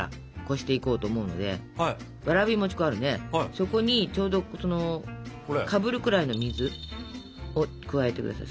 そこにちょうどかぶるくらいの水を加えて下さい。